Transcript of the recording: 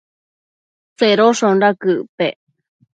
Tsedoshonda quëc pec?